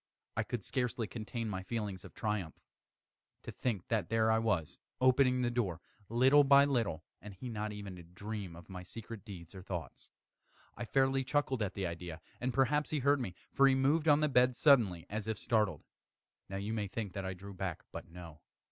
I could scarcely contain my feelings of triumph. To think that there I was, opening the door, little by little, and he not even to dream of my secret deeds or thoughts. I fairly chuckled at the idea; and perhaps he heard me; for he moved on the bed suddenly, as if startled. Now you may think that I drew back but no.